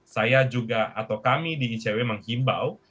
saya juga atau kami di icw menghimbau